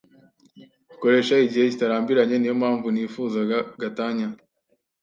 koresha igihe kitarambiranye niyo mpamvu nifuzaga gatanya.